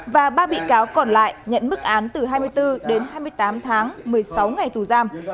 và ba bị cáo còn lại nhận mức án từ hai mươi bốn đến hai mươi tám tháng một mươi sáu ngày tù giam